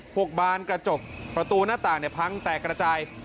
บานกระจกประตูหน้าต่างพังแตกกระจาย